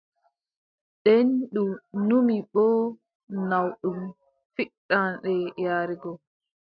Nden ndu numi boo naawɗum fiɗaande yaare go.